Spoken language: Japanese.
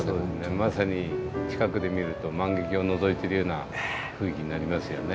まさに近くで見ると万華鏡をのぞいてるような雰囲気になりますよね。